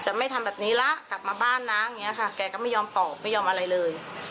จะไม่ทำแบบนี้ละกลับมาบ้านนะแกก็ไม่ยอมตอบไม่ยอมอะไรเลย